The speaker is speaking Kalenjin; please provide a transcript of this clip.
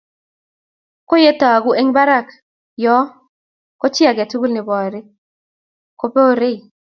Ko ye toguu eng barak yoo ko chii agetugul ne boree ko keborei.